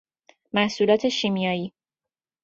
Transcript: محصولات شیمیائی